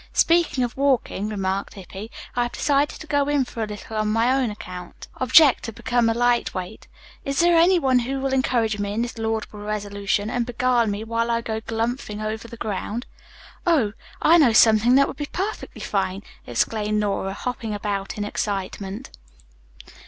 "Speaking of walking," remarked Hippy, "I have decided to go in for a little on my own account. Object, to become a light weight. Is there any one who will encourage me in this laudable resolution, and beguile me while I go 'galumphing' over the ground?" "Oh, I know something that would be perfectly fine!" exclaimed Nora, hopping about in excitement.